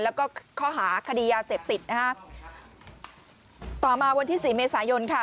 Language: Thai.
แล้วก็ข้อหาคดียาเสพติดนะฮะต่อมาวันที่สี่เมษายนค่ะ